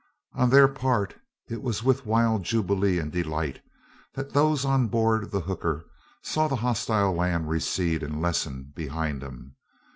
On their part it was with wild jubilee and delight that those on board the hooker saw the hostile land recede and lessen behind them.